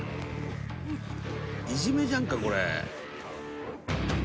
「いじめじゃんかこれ」